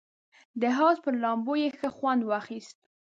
د حوض پر لامبو یې ښه خوند واخیست.